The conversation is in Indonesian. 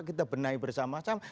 kita benahi bersama sama